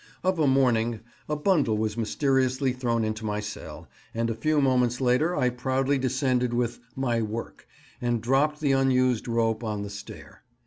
Of a morning a bundle was mysteriously thrown into my cell, and a few moments later I proudly descended with "my work," and dropped the unused rope on the stair.